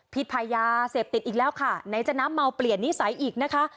พายาเสพติดอีกแล้วค่ะไหนจะน้ำเมาเปลี่ยนนิสัยอีกนะคะ